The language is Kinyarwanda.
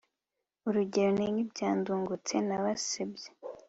urugero ni nk' ibya ndungutse na basebya